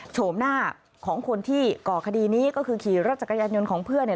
โฉมหน้าของคนที่ก่อคดีนี้ก็คือขี่รถจักรยานยนต์ของเพื่อนเนี่ย